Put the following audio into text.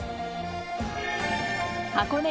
箱根